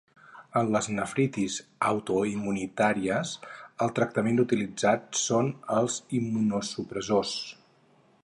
En les nefritis autoimmunitàries, el tractament utilitzat són els immunosupressors.